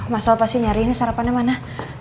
mas al pasti nyari ini sarapannya mana